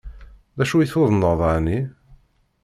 D acu i tuḍneḍ ɛni?